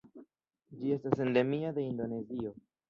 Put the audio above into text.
Ĝi estas endemia de Indonezio.